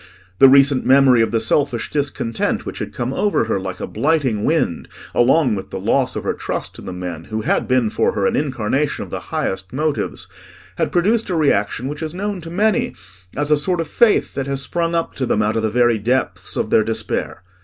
The recent memory of the selfish discontent which had come over her like a blighting wind along with the loss of her trust in the man who had been for her an incarnation of the highest motives, had produced a reaction which is known to many as a sort of faith that has sprung up to them out of the very depths of their despair.